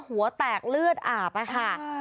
หัวแตกเลือดอาบอะค่ะ